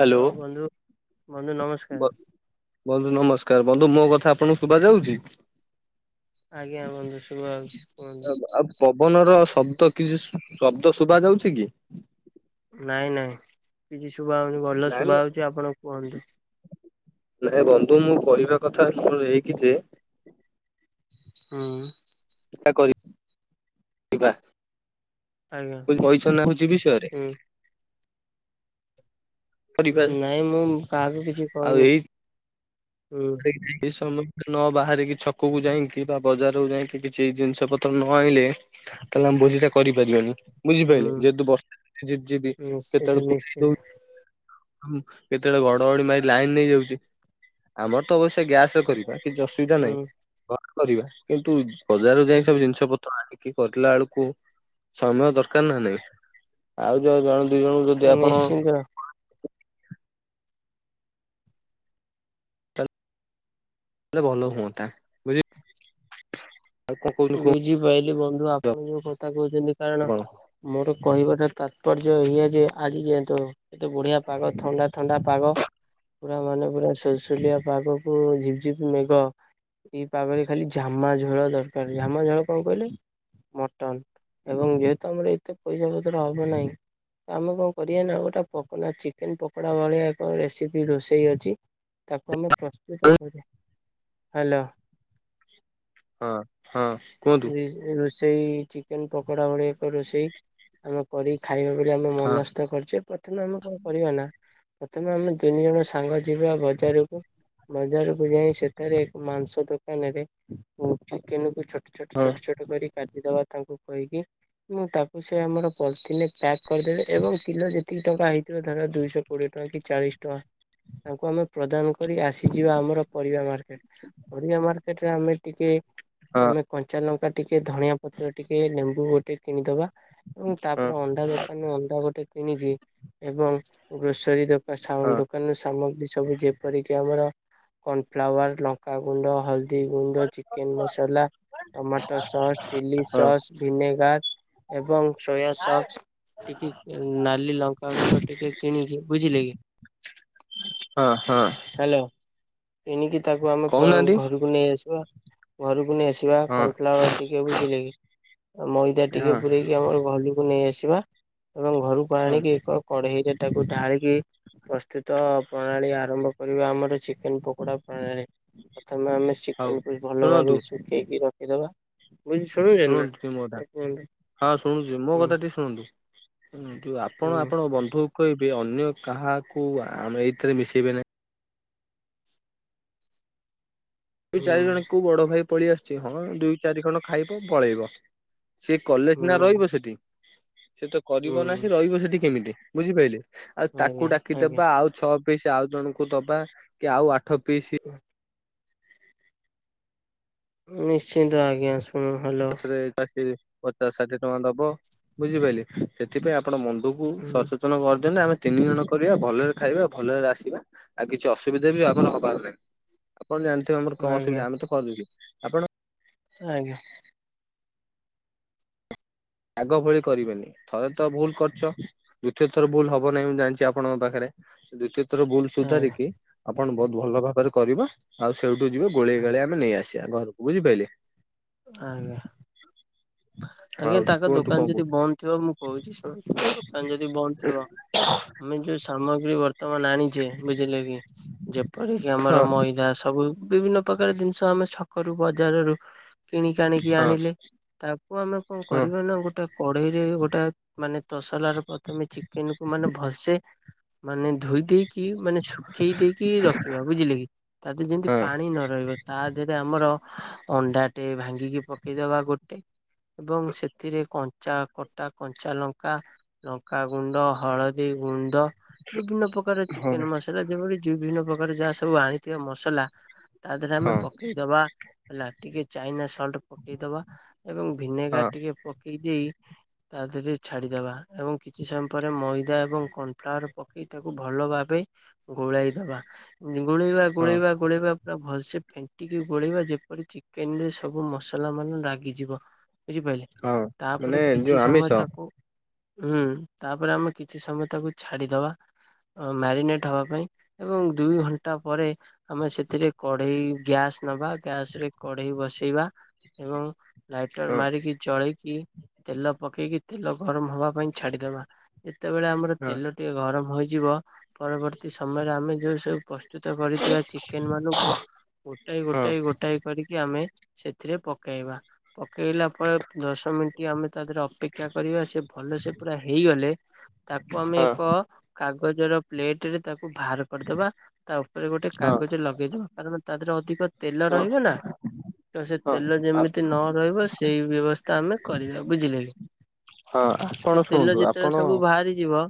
Hello ବନ୍ଧୁ, ବନ୍ଧୁ ବ ନମସ୍କାର୍। ବନ୍ଧୁ ନମସ୍କାର୍ ବନ୍ଧୁ ମୋ କଥା ଆପଣଙ୍କୁ ଶୁଭ ଯାଉଛି? ଆଜ୍ଞା ବନ୍ଧୁ ଶୁଭା ଯାଉଛି କୁହନ୍ତୁ। ଆଉ ପବନର ଶବ୍ଦ କିଛି ଶବ୍ଦ ଶୁଭା ଯାଉଛି କି? ନାଇଁ ନାଇଁ କିଛି ଶୁଭା ହଉନି ଭଲ ନାଇଁ ନାଇଁ ଶୁଭା ହଉଛି ଆପଣ କୁହନ୍ତୁ। ନାଇଁ ବନ୍ଧୁ ମୁଁ କହିବା କଥା କଣ ହେଇକି ଯେ ହୁଁ-ଉଁ [unintelligible] ଆଜ୍ଞା ବିଷୟରେ ହୁଁ। କରିବା ନାଇଁ ମୁଁ କାହାକୁ କିଛି କହିନି, ହୁଁ ସମୟ ନ ବାହାରିକି ଛକକୁୁ ଯାଇକି ବା ବଜାରକୁୁ ଯାଇକି କିଛି ଜିନିଷ ପତ୍ର ନ ଆଣିଲେ ତାହେଲେ ଆମେ ଭୋଜିଟା କରିପାରିବାନି। ହୁଁ ବୁଝିପାରିଲେ ଯେହେତୁ ବର୍ଷ ଯିପ୍ ଯିବି ନିଶ୍ଚିତ ନିଶ୍ଚିତ। କେତେବେଳେ [unintelligible] ହଁ କେତେବେଳେ ଘଡଘଡି ମାରି ଲାଇନ୍ ନେଇଯାଉଚି। ଆମର ତ ଅବଶ୍ୟ ଗ୍ୟାସ୍ ରେ କରିବା କିଛି ଅସୁବିଧା ହୁଁ ନାହିଁ ଘରେ କରିବା। କିନ୍ତୁ ବଜାରରୁ ଯାଇ ହୁଁ ସବୁ ଜିନିଷ ପତ୍ର ଆ କି କରିଲା ବେଳକୁ ସମୟ ଦରକାର୍ ନା ନାହିଁ, ଆଉ ଯ ଜଣ ଦିଇ ଜଣଙ୍କୁ ଯଦି ଆପଣ ନିଶ୍ଚିନ୍ତ ଲେ ଭଲ ହୁଅନ୍ତା ବୁଝି ଆଉ କଣ କହୁଛନ୍ତି କୁହନ୍ତୁ ବୁଝିପାଇଲି ବନ୍ଧୁ ଆପଣ ଯୋଉ କଥା କହୁଛନ୍ତି କାରଣ ଆପଣ ମୋର କହିବାଟା ତାତ୍ପର୍ଯ୍ୟ ଏଇଆ ଯେ ଆଜି ଯାଏନ୍ତ ଏତ ବଢିଆ ପାଗ ଥଣ୍ଡା ଥଣ୍ଡା ପାଗ। ପୁରା ମାନେ ପୁରା ସୁଲସୁଲିଆ ପାଗକୁ ଝିପଝିପ ମେଘ ଏଇ ପାଗରେ ଖାଲି ଝାମା ଝୋଳ ଦରକାର। ଝାମା ଝୋଳ କଣ କହିଲେ? ମଟନ ଏବଂ ଯେହେତୁ ଆମର ଏତେ ପଇସା ପତ୍ର ହବ ନାହିଁ। ତ ଆମେ କଣ କରିବା ନା ଗୋଟେ ପକଡ଼ା ଚିକେନ ପକୋଡା ଭଳିଆ ଏକ ରେସିପି ରୋଷେଇ ଅଛି ତାକୁ ଆମେ ପ୍ରସ୍ତୁତ କରି ହାଲୋ ହଁ ହଁ। କୁହନ୍ତୁ ଦିସ ରୋଷେଇ ଚିକେନ ପକୋଡା ଭଳିଆ ଏକ ରୋଷେଇ ଆମେ କରିକି ଖାଇବା ବୋଲି ଆମେ ହଁ ମନସ୍ତ କରିଛୁ। ପ୍ରଥମେ ଆମେ କଣ କରିବା ନା ପ୍ରଥମେ ଆମେ ତିନି ଜଣ ସାଙ୍ଗ ଯିବା ବଜାରକୁ। ବଜାରକୁ ଯାଇ ସେଠାରେ ଏକ ମାଂସ ଦୋକାନରେ ଉଁ ଚିକେନ ଛୋଟ ଛୋଟ ହଁ ଛୋଟ ଛୋଟ କରି କାଟିଦବା ତାଙ୍କୁ କହିକି। ଉଁ ତାକୁ ସେ ଆମର ପଲିଥିିନରେ ପ୍ୟାକ୍ କରିଦେବେ ଏବଂ କିଲୋ ଯେତିକି ଟଙ୍କା ହେଇଥିବ ଧର ଦୁଇଶହ କୋଡିଏ ଟଙ୍କା କି ଚାଳିଶ ଟଙ୍କା ତାଙ୍କୁ ଆମେ ପ୍ରଦାନ କରି ଆସିଯିବା ଆମର ପରିବା ମାର୍କେଟ। ପରିବା ମାର୍କେଟରେ ଆମେ ଟିକେ ହଁ ଆମେ କଞ୍ଚା ଲଙ୍କା ଟିକେ ଧଣିଆ ପତ୍ର ଟିକେ ଲେମ୍ବୁ ଗୋଟେ କିଣିଦବା ଏବଂ ହଁ ତାପରେ ଅଣ୍ଡା ଦୋକ କାନରୁ ଅଣ୍ଡା ଗୋଟେ କିଣିକି ଏବଂ ଗ୍ରୋସରୀ ଦୋକ ସା ହଁ ଦୋକାନରୁ ସାମଗ୍ରୀ ସବୁ ଯେ ଯେପରିକି ଆମର କର୍ଣଫ୍ଲାୱାର ଲଙ୍କାାଗୁଣ୍ଡ ହଳଦୀ ଗୁଣ୍ଡ ଚିକେନ ମସ ଆ ଟମାଟୋ ସସ୍, ଚିଲି ହଁ ସସ୍, ଭିନେଗାର ଏବଂ ସୋୟା ସସ୍ ଟିକେ ନାଲି ଲଙ୍କାଗୁଣ୍ଡ ଟିକେ କିଣିକି ବୁଝିଲେ କି। ହଁ ହଁ। ହ୍ୟାଲୋ କିଣିକି ତାକୁ ଆମେ ପ କହୁନାହାନ୍ତି ଘରକୁ ନେଇ ଆସିବା ଘରକୁ ନେଇ ଆସି ବା ହଁ କନଫ୍ଲାୱାର ଟିକେ ବୁଝିଲେ କି ଆଉ ମଇଦା ଟିକେ ହଁ ପୁରେଇକି ଆମର ଘରକୁ ନେଇଆସିବା ଏବଂ ଘରକୁ ହଁ ଆଣିକି ଏକ କଢେଇରେ ତାକୁ ଢାଳିକି ପ୍ରସ୍ତୁତ ପ୍ରଣାଳୀ ଆରମ୍ଭ କରିବା ଆମର ଚିକେନ ପକୋଡା ପ୍ରଣାଳୀ। ପ୍ରଥମେ ଆମେ ହଉ ଚିକେନକୁ ଭଲ ଶୁଣନ୍ତୁ ଭାବେ ଶ କେଇକି ରଖିଦବା। ବୁଝି ଶୁଣି ଶୁଣନ୍ତୁ ଟିକେ ମୋ କଥା ହଁ ଶୁଣୁଚି ମୋ ହୁଁ କଥା ଟିକେ ଶୁଣନ୍ତୁ। ହଁ ଯୋଉ ଆପଣ ହୁଁ ଆପଣ ବନ୍ଧୁକୁ କହିବେ ଅନ୍ୟ କାହାକୁ ଆ ଏଇଥିରେ ମିଶେଇବେ ନାହିଁ। ଦୁଇ ହୁଁ ଚାରିଜଣ କୋଉ ବଡ ଭାଇ ପଳେଇ ଆଶୁଛି ହଁ ଦୁଇ ଚାରିଖଣ୍ଡ ଖାଇବ ପଳେଇବ। ସିଏ କଲେ ହୁଁ ସିନା ରହିବ ସେଠି ସେ ତ କରିବ ହୁଁ ନାହିଁ ରହିବ ସେଠି କେମିତି। ବୁଝିପାରିଲେ? ଆଉ ତାକୁ ଆଜ୍ଞା ଆଜ୍ଞା। ଡାକିଦବା ଆଉ ଛଅ ପିସ୍ ଆଉ ଜଣଙ୍କୁ ଦବା କି ଆଉ ଆଠ ପିସ୍ ହୁଁ। ନିଶ୍ଚିନ୍ତ ଆଜ୍ଞା। ହଁ ହଲ ପଛରେ [unintelligible] ପଚାଶ ଷାଠିଏ ଟଙ୍କା ଦବ ବୁଝିପାରିଲେ ସେଥିପାଇଁ ଆପ ଆପଣ ବନ୍ଧୁକୁ ହୁଁ ସଚେତନ କରିଦେଲେ ଆମେ ତିନି ଜଣ କରିବା ଭଲରେ ଖାଇବା ଭଲରେ ଆସିବା ଆଉ କିଛି ଅସୁବିଧା ବି ଆମର ହବାର ନାହିଁ। ଆପଣ ଜାଣିଥିବେ ଆମର କଣ ଆଜ୍ଞା ଅସୁବିଧା ଆମେ ତ କରୁଛେ ଆଜ୍ଞା। ଆଗ ଭଳି କରିବେନି ଥରେ ତ ଭୁଲ୍ କରିଚ ଦ୍ୱିତୀୟ ଥର ଭୁଲ୍ ହବ ନାହିଁ ମୁଁ ଜାଣିଚି ଆପଣଙ୍କ ପାଖରେ ଦ୍ଵିତୀୟ ଥର ଭୁଲ୍ ଆଜ୍ଞା। ସୁଧାରିକି ଆପଣ ବହୁତ୍ ଭଲଭାବରେ କରିବା ଆଉ ସେଇଠୁ ଯିବେ। ଗୋଳେଇ ଆଜ୍ଞା ଗାଳି ଆମେ ନେଇ ଆସିବା ଘରକୁ ବୁଝିପାରିଲେ। ଆଜ୍ଞା ହଉ ତାଙ୍କ ଦୋ କୁହନ୍ତୁ ଦୋକାନ କଣ ଯଦି କହୁଛନ୍ତି ବନ୍ଦ ଥିବ ମୁଁ କହୁଚି ଶୁଣନ୍ତୁ ଦୋକାନ ଯଦି ବନ୍ଦ ଥିବ। ଆମେ ଯୋଉ ସାମଗ୍ରୀ ବର୍ତ୍ତମାନ ଆଣିଚେ ବୁଝିଲେ କି ଯ ଏପରିକି ଆମର ହଁ ମଇଦା ସବୁ ବିଭିନ୍ନ ପ୍ରକାର ଜିନିଷ ଆମେ ଛକରୁ ବଜାରରୁ କିଣିକି ଆଣିକି ହଁ ଆଣିଲେ ତାକୁ ଆମେ କଣ ହଁ କରିବା ନାଁ ଗୋ ଗୋଟେ କଢେଇରେ ଗୋଟେ ମାନେ ତସଲ ର ପ୍ରଥମେ ଚିକେନ୍ କୁ ମାନେ ଭସେ ମାନେ ଧୋଇ ଦେଇ କି ମାନେ ଶୁଖେଇ ଦେଇକି ରଖିବା ବୁଝିଲେ କି ତା ଦେହରେ ଯେମିତି ହଁ। ପାଣି ନ ରହିବା ତା ଦେହରେ ଆମ ଆମର ଅଣ୍ଡା ଟେ ଭାଙ୍ଗିକି ପକେଇଦବା ଗୋଟେ ଏବଂ ସେଥିରେ କଞ୍ଚା କଟା କଞ୍ଚା ଲଙ୍କା। ଲଙ୍କା ଗୁଣ୍ଡ ହଳଦୀ ଗୁଣ୍ଡ ବିଭିନ୍ନ ପ୍ରକାର ହଁ। ଚିକେନ୍ ମସଲା ଯେଭଳି ବିଭିନ୍ନ ପ୍ରକାର ଯାହା ସବୁ ଆଣିଥିବା ମସଲା। ତା ଦେହରେ ଆମେ ହଁ ପକେଇଦବା ହେଲା ଟିକେ ଚାଇନା ସଲ୍ଟ ପକେଇଦବା। ଏବଂ ହଁ ଭିନେଗାର ଟିକେ ପକେଇ ଦେଇ ତା ଦେହରେ ଛାଡ଼ିଦେବା ଏବଂ କିଛି ସମୟ ପରେ ମଇଦା ଏବଂ କର୍ଣ୍ନଫ୍ଲାୱାର ପକାଇ ତାକୁ ଭଲ ଭାବେ ଗୋଳାଇଦବା। ଗୋଳେଇବା ହଁ ଗୋଳେଇବା ଗୋଳେଇବା ପୁରା ଭଲସେ ଫେଣ୍ଟିକି ଗୋଳେଇବା ଯେପରି ଚି ଚିକେନ୍ ରେ ସବୁ ମସଲା ମାନେ ରାଗିଯିବ ବୁଝିପାରିଲେ। ହଁ ମାନେ ତାପରେ ଯୋଉ କିଛି ଆମିଷ ସମୟ ହଁ ତାକୁ ହୁଁ ତାପରେ ଆମେ କିଛି ସମୟ ତାକୁ ଛାଡିଦବା। ମ୍ୟାରିନେଟ୍ ହବା ପାଇଁ ଏବଂ ଦୁଇ ଘଣ୍ଟା ପରେ ଆମେ ସେଥିରେ କଢେଇ ଗ୍ୟାସ୍ ନବା ଗ୍ୟାସ୍ ରେ କଢେଇ ବସେଇବା ଏବଂ ଲାଇଟର ହଁ। ମାରିକି ଜଳେଇ କି ତେଲ ପକେଇକି ତେଲ ଗରମ ହବା ପାଇଁ ଛାଡିଦବା ଯେତେବେଳେ ଆମର ହଁ ତେଲ ଟିକେ ଗରମ ହୋଇଯିବ ପରବର୍ତ୍ତୀ ସମୟରେ ଆମେ ଯୋଉ ସବୁ ପ ପ୍ରସ୍ତୁତ କରିଥିବା ଚିକେନ୍ ମାନଙ୍କୁ ଗୋଟଏ ହଁ ଗୋଟଏ ଗୋଟାଏ କରି କି ଆମେ ସେଥିରେ ପକେଇବା ପକେଇଲା ପରେ ଦଶ ମିନିଟ୍ ଆମେ ତା ଦେହରେ ଅପେକ୍ଷା କରିବା ସେ ଭଲ ସେ ପୁରା ହେଇଗଲେ। ତାକୁ ଆମେ ହଁ ଏକ କାଗଜର ପ୍ଲେଟ ରେ ତାକୁ ବାହାର କରିଦବା ତା ଉପରେ ଗୋଟେ ହଁ କାଗଜ ଲଗେଇଦବା କାରଣ ତା ଦେହରେ ଅଧିକ ତେଲ ହଁ ରହିବ ନାଁ। ତ ସେ ହଁ ତେଲ ଯେମିତି ନ ରହିବ ସେଇ ବ୍ୟବସ୍ଥା ଆମେ କରିବା ବୁଝିଲେ। ଆପଣ ସେ ତେଲ ଶୁଣନ୍ତୁ ଆପଣ ଯେତେବେଳେ ସବୁ ହଁ ବାହାରି ଯିବ।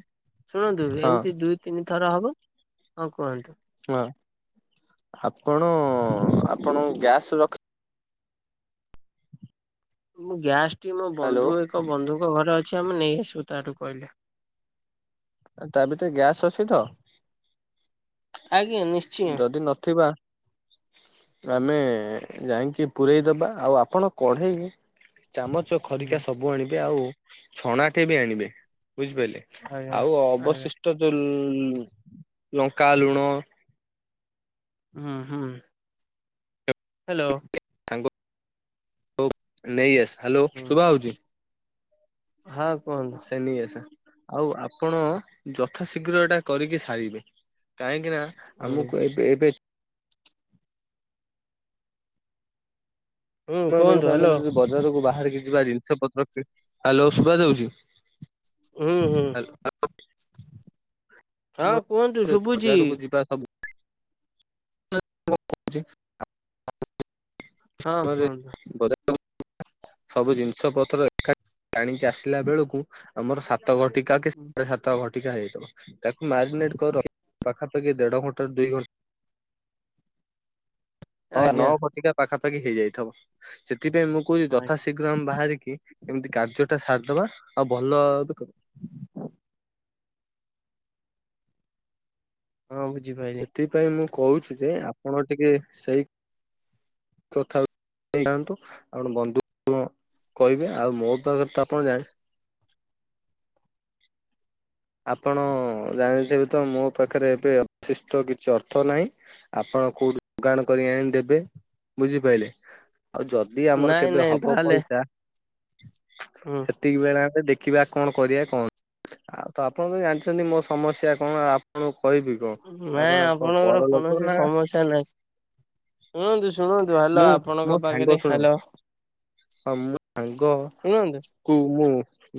ଶୁଣନ୍ତୁ ଏମିତି ଦୁଇ ତିନି ଥର ହବ ହଁ କୁହନ୍ତୁ। ହଁ ଆପଣ ଆପଣ ଗ୍ୟାସ୍ ରଖି ମୁଁ ଗ୍ୟାସ୍ ଟି ମୋ ହ୍ୟାଲୋ ବନ୍ଧୁ ଏକ ବନ୍ଧୁଙ୍କ ଘରେ ଅଛି ଆମେ ନେଇ ଆସିବୁ ତାଠୁ କହିଲେ। ତା ଭିତରେ ଗ୍ୟାସ୍ ଅଛି ତ? ଆଜ୍ଞା ନିଶ୍ଚ ଯଦି ନଥିବା ଆମେ ଯାଇକି ପୁରେଇଦବା ଆଉ ଆପଣ କଢେଇ ଚାମଚ ଖରିକା ହୁଁ ସବୁ ଆଣିବେ ଆଉ ଛଣାଟେ ବି ଆଣିବେ ବୁଝିପାରିଲେ। ଆଜ୍ଞା ଆଉ ଆଜ୍ଞା ଅବଶିଷ୍ଟ ଯୋଉ ଲଙ୍କା ଲୁଣ। ହୁଁ ହୁଁ ହାଲୋ। [unintelligible] ନେଇ ଆସ୍ ହ୍ୟାଲୋ ଶୁଭା ହଉଛି ହଁ କୁହ ସେ ନେଇ ଆସ ଆଉ ଆପଣ ଯଥା ଶୀଘ୍ର ଏଇଟା କରିକି ସାରିବେ କାହିଁକି ନା ହୁଁ ଆମକୁ ଏବେ ଏବେ ହୁଁ ସମୟ କୁହନ୍ତୁ ବେଳକୁ ଆମେ ହ୍ୟାଲୋ ଯଦି ବଜାରକୁ ବାହାରିକି ଯିବା ଜିନିଷ ପତ୍ର ହ୍ୟାଲୋ ସୁଭା ଯାଉଛି ହୁଁ ହୁଁ। ହଁ କୁହନ୍ତୁ ଶୁଭୁଛି ବଜାରକୁ ଯିବା ସବୁ କହୁଛି। [unintelligible] ହଁ କୁହନ୍ତୁ ସବୁ ଜିନିଷ ପତ୍ର ଏକାଠି ଆଣିକି ଆସିଲା ବେଳକୁ ଆମର ସାତ ଘଟିକା କି ହୁଁ ସାଢେ ସାତ ଘଟିକା ହେଇଯିବ ତାକୁ ମାରିନେଟ୍ କର ପାଖାପାଖି ଦେଢ ଘଣ୍ଟାରୁ ଦୁଇ ଘଣ୍ଟା ହଁ ନ ଆଜ୍ଞା ଘଟିକା ପାଖାପାଖି ହେଇଯାଇଥିବ ସେଥିପାଇଁ ମୁଁ କହୁଛିି ହଁ ଯଥାଶୀ ଘ୍ରମ ବାହାରିକି କେମିତି କାର୍ଯ୍ୟଟା ସାରିଦବା ଆଉ ଭଲ [inaudible] ହଁ ବୁଝିପାରିଲି ଥି ପାଇଁ ମୁଁ କହୁଛି ଯେ ଆପଣ ଟିକେ ସେଇ [unintelligible] ଥାନ୍ତୁ ଆପଣ ବନ୍ଧୁ କହିବେ ଆଉ ମୋ ପାଖରେ ତ ଆପଣ ଜାଣ ଆପଣ ଜାଣିଥିବେ ତ ମୋ ପାଖରେ ଏବେ ଅଫିଷ୍ଟ କିଛି ଅର୍ଥ ନାଇଁ। ଆପଣ କୋଉଠୁ ଯୋଗାଡ଼ କରିକି ଆଣି ଦେବେ ବୁଝିପାଇଲେ। ଆଉ ଯଦି ଆମର ନାଇଁ କେବେ ନାଇଁ ହବ ତାହେଲେ ପଇସା ହୁଁ ସେତିକି ବେଳେ ଆମେ ଦେଖିବା କଣ କରିବା କଣ ଆଉ ତ ଆପଣ ତ ଜାଣଚନ୍ତି ମୋ ସମସ୍ୟା କଣ ଆପ ନାଇଁ ଆପଣଙ୍କର ପରଲୋକ କୌଣସି ନା ସମସ୍ୟା ନାଇଁ। ଶୁଣନ୍ତୁ ଶୁଣନ୍ତୁ ହାଲୋ ମୁଁ ମୋ ଆପଣଙ୍କ ସାଙ୍ଗ ପାଖରେ ଶୁଣ ହ୍ୟାଲୋ ହଁ ମୁଁ ସାଙ୍ଗ ଶୁଣନ୍ତୁ କୁ ମୁଁ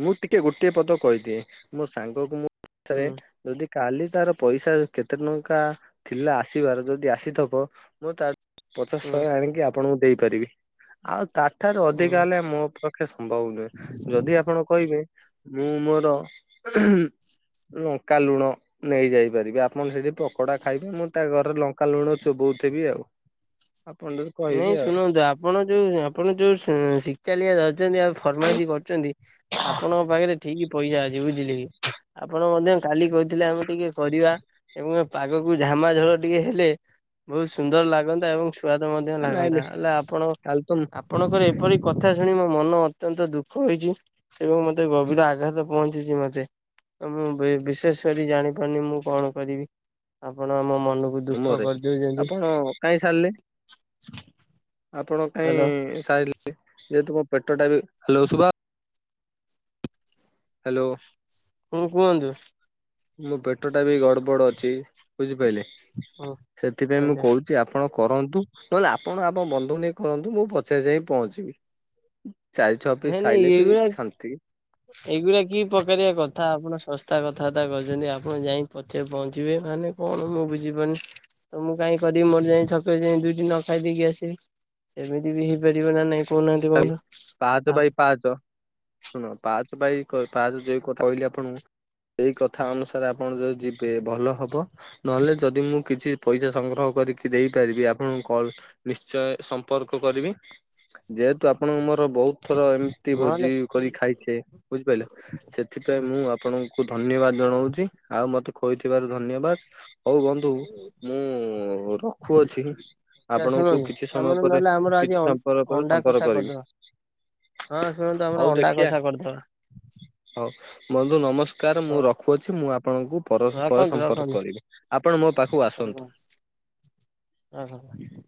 ମୁଁ ଟିକେ ଗୋଟିଏ ପଦ କହିଦିଏ। ମୋ ସାଙ୍ଗକୁ ମୁଁ ଥରେ ହୁଁ ଯଦି କାଲି ତାର ପଇସା କେତେ ଟଙ୍କା ଥିଲା ଆସିବାର ଯଦି ଆସିଥବ ମୁଁ ତାଠୁ ପଚାଶ୍ ହୁଁ ଶହେ ଆଣିକି ଆପଣଙ୍କୁ ଦେଇପାରିବି। ଆଉ ତାଠାରୁ ହୁଁ। ଅଧିକା ହେଲେ ମୋ ପା ଖେ ସମ୍ଭବ ନୁହେଁ। ଯଦି ଆପଣ କହିବେ ମୁଁ ମୋର ଲଙ୍କା ଲୁଣ ନେଇ ଯାଇ ପାରିବି। ଆପଣ ସେଠି ପକୋଡା ଖାଇବେ ମୁଁ ତା ଘରେ ଲଙ୍କା ଲୁଣ ଚୋବୋଉ ଥିବି ଆଉ। [unintelligible] ନାଇଁ ଆଉ ଶୁଣନ୍ତୁ ଆପଣ ଯୋଉ ଆପଣ ଯୋଉ ସେଁ ଶି ଚାଲିଆ ଧରୁଚନ୍ତି ଆଉ ଫର୍ମାଇସି କରୁଚନ୍ତି ଆପଣଙ୍କ ପାଖେରେ ଠିକ୍ ପଇସା ଅଛି ବୁଝିଲେ କି। ଆପଣ ମଧ୍ୟ କାଲି କହୁଥିଲେ ଆମେ ଟିକେ କରିବା ଏବଂ ଏ ପାଗକୁ ଝାମାଝୋଳ ଟିକେ ହେଲେ ବହୁତ୍ ସୁନ୍ଦର ଲାଗନ୍ତା ଏବଂ ସ୍ୱାଦ ମଧ୍ୟ ନାଇଁ ଲାଗନ୍ତା। ନାଇଁ ହେଲେ ଆପଣ ଆପ୍ କାଲି ତ ଆପଣଙ୍କର ଏପରି କଥା ଶୁଣି ମୋ ମନ ଅତ୍ୟନ୍ତ ଦୁଃଖ ହୋଇଚି। ଏବଂ ମତେ ଗଭୀର ଆଘାତ ପହଞ୍ଚିଚି ମତେ। ମୁଁ ବିଶେଷ କରି ଜାଣିପାରୁନି ମୁଁ କଣ କରିବି ଆପଣ ଆମ ମନକୁ ଦୁଃଖ ମରେ କରିଦଉଛନ୍ତି। ଆପଣ କାଇଁ ସାରିଲେ? ଆପଣ ହ୍ୟାଲୋ କାଇଁ ସାଇଲେ ଯେହେତୁ ମୋ ପେଟଟା ବି ହାଲୋ ଶୁ ହ୍ୟାଲୋ। କଣ କୁହନ୍ତୁ। ମୋ ପେଟଟା ବି ଗଡ୍ ବଡ୍ ଅଛି ବୁଝିପାଇଲେ। ହୁଁ ସେଥିପାଇଁ ମୁଁ ଆଜ୍ଞା। କହୁଚି ଆ ଆପଣ କରନ୍ତୁ ନହେଲେ ଆପଣ ଆପଣଙ୍କ ବନ୍ଧୁଙ୍କୁ ନେଇ କରନ୍ତୁ ମୁଁ ପଛେରେ ଯାଇକି ପହଞ୍ଚିବି। ଚାରି ଛଅ ପିସ୍ ଖାଇଲେ ବି ଶାନ୍ତି। ଏଇଗୁରା କି ପ୍ରକାରିଆ କଥା ଆପଣ ଶ ତା କଥାବାର୍ତ୍ତା କରୁଚନ୍ତି ଆପଣ ଯାଇ ପଛରେ ପହଞ୍ଚିବେ ମାନେ କଣ ମୁଁ ବୁଝିପାରୁନି। ତ ମୁଁ କାଇଁ କରିବି ମୋର ଯାଇଁ ଛକରେ ଯାଇଁ ଦୁଇଟି ନ ଖାଇ ପିଇକି ଆସିବି, ଏମିତି ବି ହେଇପାରିବ ନା ନାଇଁ। କୋହୁନାହାନ୍ତି ବନ୍ଧୁ। ପାହଚ ବାଇ ପାହଚ ଶୁଣ ପାହଚ ବାଇ କ ପାହଚ ଯେଉ କଥା କହିଲି ଆପଣଙ୍କୁ ସେଇ କଥା ଅନୁସାରେ ଆପଣ ଯଦି ଯିବେ ଭଲ ହବ। ନହେଲେ ଯଦି ମୁଁ କିଛି ପଇସା ସଂଗ୍ରହ କରିକି ଦେଇପାରିବି ଆପଣଙ୍କୁ କଲ୍ ନିଶ୍ଚୟ ସମ୍ପର୍କ କରିବି। ଯେହେତୁ ଆପଣଙ୍କୁ ମୋର ବୋହୁତ ଥର ଏମିତି ନହେଲେ ଭୋଜି କରି ଖାଇଚେ ବୁଝିପାଇଲେ। ସେଥିପାଇଁ ଆଚ୍ଛା ମୁଁ ଆପଣଙ୍କୁ ଧନ୍ୟବାଦ ଜଣଉଚି ଆଉ ମତେ ଖୋଇଥିବାରୁ ଧନ୍ୟବାଦ୍। ହୋଉ ବନ୍ଧୁ ମୁଁ ରଖୁ ଅଛି। ଆପଣଙ୍କୁ ଶୁଣନ୍ତୁ କିଛି ସମୟ ପରେ କିଛି ସମୟ ପରେ ପରେ କସା କରିଦବା। ହଁ ଶୁଣନ୍ତୁ ଆମର ହୋଉ ଅଣ୍ଡା ଦେଖିଆ କଷା କରିଦବା ହୋଉ ବନ୍ଧୁ ନମସ୍କାର ମୁଁ ହଉ ର ଖୁ ଅଛି ମୁଁ ଆପଣଙ୍କୁ ପର ପରେ ରଖନ୍ତୁ ସମ୍ପର୍କ ରଖନ୍ତୁ କରିବି। ଆପଣ ମୋ ପାଖକୁ ଆସନ୍ତୁ। ଆଁ ହାଁ ହାଁ।